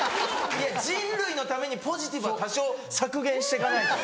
人類のためにポジティブは多少削減して行かないと。